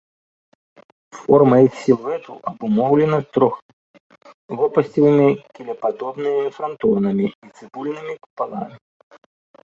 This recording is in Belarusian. Форма іх сілуэту абумоўлена трохлопасцевымі кілепадобнымі франтонамі і цыбульнымі купаламі.